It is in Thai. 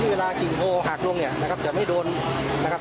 เวลากิ่งโพหักลงเนี่ยนะครับจะไม่โดนนะครับ